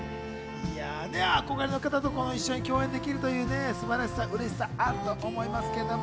憧れの方と一緒に共演できるという素晴らしさ、嬉しさあったと思いますけど。